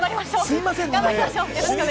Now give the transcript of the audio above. すみませんね。